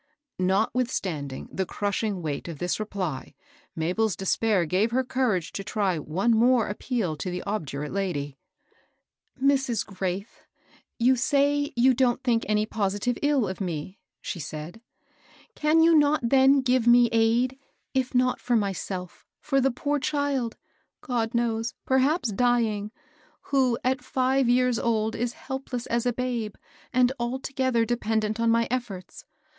Notwithstanding the crushing weight of this reply, Mabel's despair gave her courage to try one more appeal to the obdurate lady. " Mrs. Graith, you say you don't think any pos itive ill of me," she said ;" can you not then give me aid, if not for myself, for the poor child, — God knows, perhaps dying !— who at five years old is helpless as a babe, and altogether dependent on my efforts